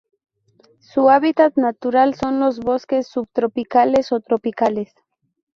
Su hábitat natural son los bosques subtropicales o tropicales.